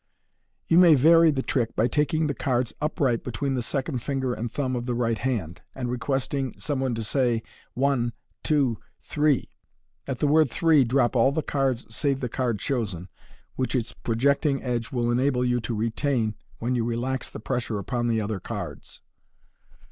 You may vary the trick by taking the cards upright between the second finger and thumb of the right hand, and requesting some one to say, " One, two, three !" at the word " three M drop all the cards save the card chosen, which its projecting edge will enable you to retain when you relax the pressure upon the other cards.